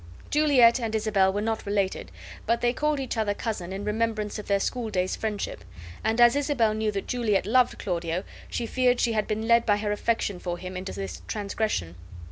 Juliet and Isabel were not related, but they called each other cousin in remembrance of their school days' friendship; and as Isabel knew that Juliet loved Claudio, she feared she had been led by her affection for him into this transgression.